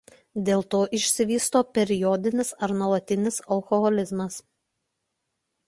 Dėl to išsivysto periodinis ar nuolatinis alkoholizmas.